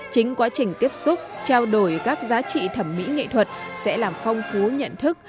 chính quá trình tiếp xúc trao đổi các giá trị thẩm mỹ nghệ thuật sẽ làm phong phú nhận thức